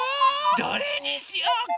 どれにしようか？